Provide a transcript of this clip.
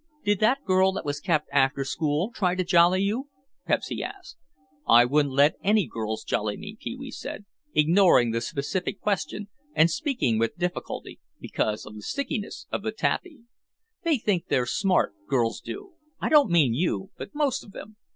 "Did that girl that was kept after school try to jolly you?" Pepsy asked. "I wouldn't let any girls jolly me," Pee wee said, ignoring the specific question and speaking with difficulty, because of the stickiness of the taffy. "They think they're smart, girls do; I don't mean you, but most of them.